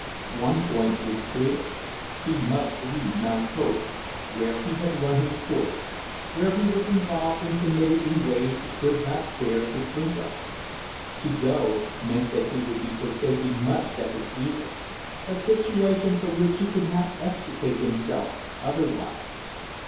One point was clear: he must leave Mount Hope, where he had run his course, where he was involved and committed in ways he could not bear to think of. To go meant that he would be forsaking much that was evil; a situation from which he could not extricate himself otherwise.